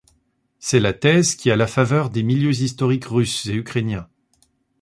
C'est la thèse qui a la faveur des milieux historiques russes et ukrainiens.